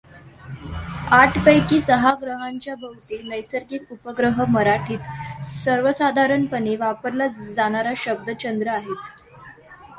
आठ पैकी सहा ग्रहांच्या भोवती नैसर्गिक उपग्रह मराठीत सर्वसाधारणपणे वापरला जाणारा शब्द चंद्र आहेत.